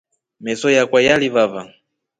Meso yakwa yalivava.